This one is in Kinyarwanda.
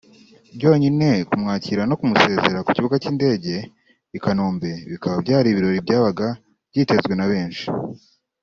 byonyine kumwakira no kumusezera ku kibuga cy’indege i Kanombe bikaba byari ibirori byabaga byitezwe na benshi